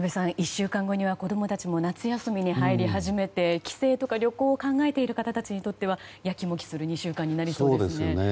１週間後には子供たちも夏休みに入り始めて帰省とか旅行を考えている方たちにはやきもきする２週間になりそうですね。